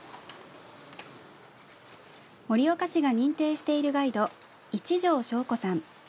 盛岡市が認定しているガイド一條荘子さん。